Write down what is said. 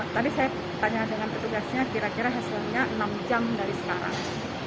tadi saya tanya dengan petugasnya kira kira hasilnya enam jam dari sekarang